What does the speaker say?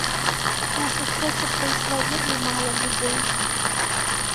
На сустрэчу прыйшло вельмі мала людзей.